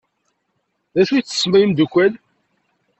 D acu i t-ttessem ay imdukal?